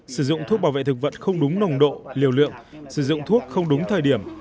sử dụng thuốc bảo vệ thực vật không đúng nồng độ liều lượng sử dụng thuốc không đúng thời điểm